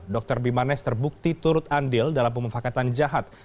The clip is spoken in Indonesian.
dr bimanesh terbukti turut andil dalam pemufakatan jahat